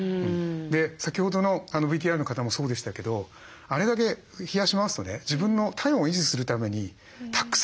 先ほどのＶＴＲの方もそうでしたけどあれだけ冷やしますとね自分の体温を維持するためにたくさんエネルギー使うんですよ。